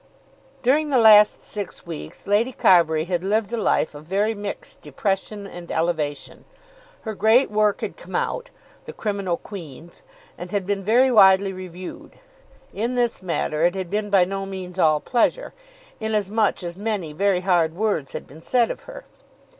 During the last six weeks Lady Carbury had lived a life of very mixed depression and elevation. Her great work had come out, the "Criminal Queens," and had been very widely reviewed. In this matter it had been by no means all pleasure, in as much as many very hard words had been said of her.